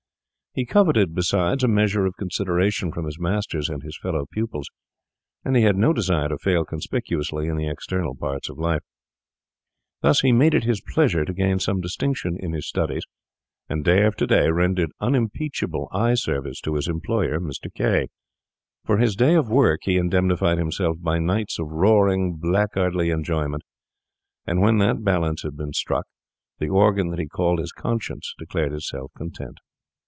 He coveted, besides, a measure of consideration from his masters and his fellow pupils, and he had no desire to fail conspicuously in the external parts of life. Thus he made it his pleasure to gain some distinction in his studies, and day after day rendered unimpeachable eye service to his employer, Mr. K—. For his day of work he indemnified himself by nights of roaring, blackguardly enjoyment; and when that balance had been struck, the organ that he called his conscience declared itself content.